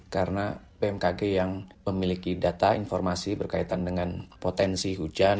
karena pmkg yang memiliki data informasi berkaitan dengan potensi hujan